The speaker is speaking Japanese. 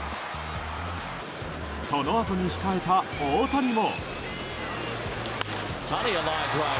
そのあとに控えた大谷も。